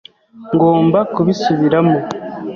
Ngomba kubisubiramo.